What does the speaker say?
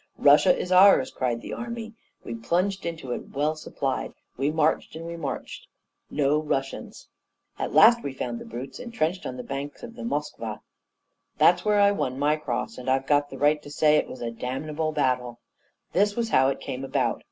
'Russia is ours,' cried the army. We plunged into it well supplied; we marched and we marched no Russians. At last we found the brutes entrenched on the banks of the Moskva. That's where I won my cross, and I've got the right to say it was a damnable battle. This was how it came about.